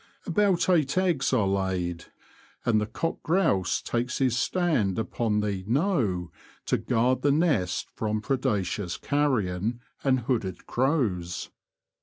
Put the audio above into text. About eight eggs are laid, and the cock grouse takes his stand upon the " knowe " to guard the nest from predaceous carrion and hooded crows.